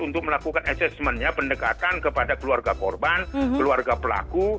untuk melakukan assessmentnya pendekatan kepada keluarga korban keluarga pelaku